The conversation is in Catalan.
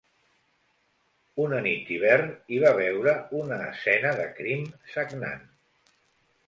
...una nit d'hivern, hi va veure una escena de crim sagnant